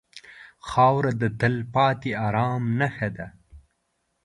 خاوره د تلپاتې ارام نښه ده.